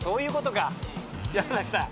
山崎さん。